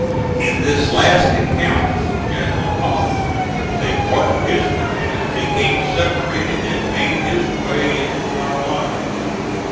In this last encounter, General Kautz, with a part of his command, became separated, and made his way into our lines.